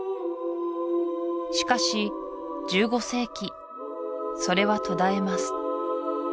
しかし１５世紀それは途絶えます